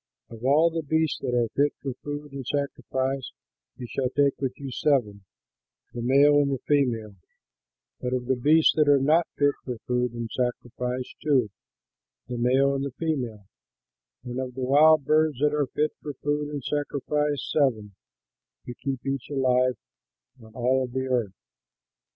Of all the beasts that are fit for food and sacrifice you shall take with you seven, the male and the female; but of the beasts that are not fit for food and sacrifice two, the male and the female; and of the wild birds that are fit for food and sacrifice seven, to keep each kind alive on all the earth.